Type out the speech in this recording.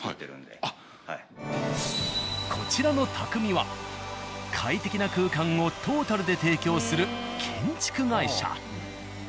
こちらの「匠−ＴＡＫＵＭＩ」は快適な空間をトータルで提供する建築会社。